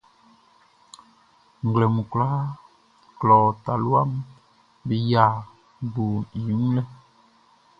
Nglɛmun kwlaaʼn, klɔ taluaʼm be yia gboʼn i wun lɛ.